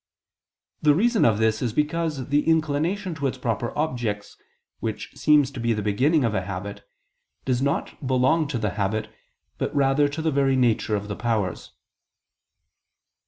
The reason of this is because the inclination to its proper objects, which seems to be the beginning of a habit, does not belong to the habit, but rather to the very nature of the powers.